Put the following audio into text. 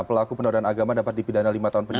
pelaku penodaan agama dapat dipidana lima tahun penjara